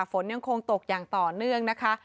ฝนยังคงตกอย่างต่อเนื่องนะคะ